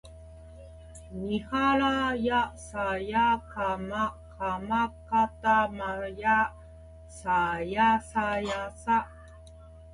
にはらやさやかまかまかたまやさやさやさ